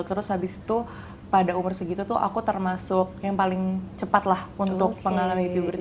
terus habis itu pada umur segitu tuh aku termasuk yang paling cepat lah untuk mengalami biobert